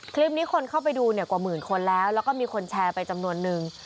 คลิปนี้คนเข้าไปดูเนี่ยกว่าหมื่นคนแล้วแล้วก็มีคนแชร์ไปจำนวนนึง